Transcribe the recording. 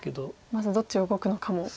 まずはどっちを動くのかも。